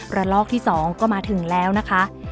ระลอกที่๒ก็มาถึงแล้วนะคะ